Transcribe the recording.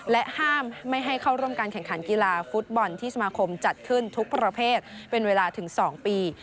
ห้ามไม่ให้เข้าร่วมการแข่งขันกีฬาฟุตบอลที่สมาคมจัดขึ้นทุกประเภทเป็นเวลาถึง๒ปี